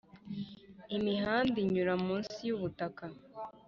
imihanda inyura munsi y ubutaka